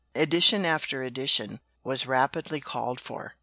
Edition after edition was rapidly called for.